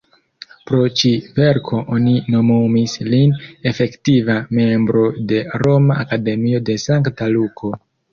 Pro ĉi-verko oni nomumis lin Efektiva membro de "Roma Akademio de Sankta Luko".